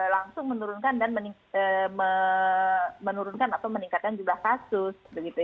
langsung menurunkan atau meningkatkan jumlah kasus